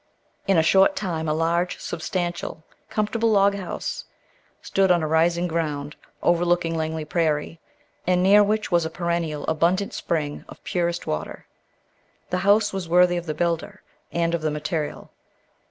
In a short time a large, substantial, comfortable log house stood on a rising ground, overlooking Langley Prairie, and near which was a perennial abundant spring of purest water. The house was worthy of the builder and of the material.